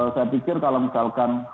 saya pikir kalau misalkan